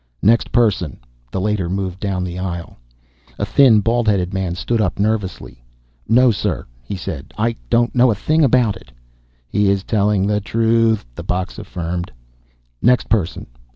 "Next person." The Leiter moved down the aisle. A thin, bald headed man stood up nervously. "No, sir," he said. "I don't know a thing about it." "He is telling the truth," the box affirmed. "Next person!